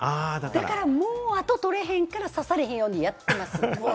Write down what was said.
だからもう痕取れへんから刺されへんようにやってます。